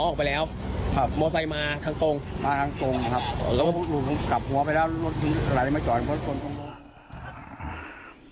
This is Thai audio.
กำลังความปลดพนข้างบน